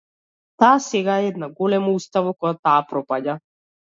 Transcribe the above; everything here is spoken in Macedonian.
Таа сега е една голема уста во која таа пропаѓа.